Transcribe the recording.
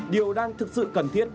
điều đang thực sự cần thiết